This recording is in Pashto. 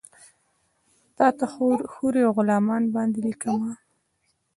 تاته حورې اوغلمان باندې لیکمه